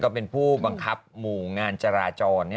เป็นผู้บังคับหมู่งานจราจร